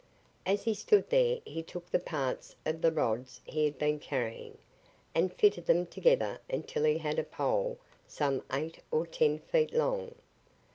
As he stood there he took the parts of the rods he had been carrying and fitted them together until he had a pole some eight or ten feet long.